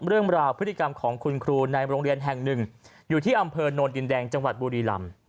เรื่องราวพฤติกรรมของคุณครูในโรงเรียนแห่งหนึ่งอยู่ที่อำเภอโนนดินแดงจังหวัดบุรีลำ